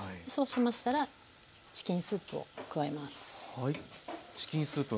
そうしましたらチキンスープを加えます。